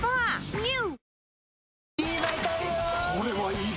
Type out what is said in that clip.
ＮＥＷ！